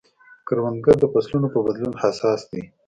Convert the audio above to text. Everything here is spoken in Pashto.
کروندګر د فصلونو په بدلون حساس دی